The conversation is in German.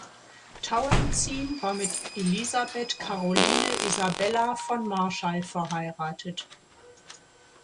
Tauentzien war mit Elisabeth Karoline Isabella von Marschall verheiratet.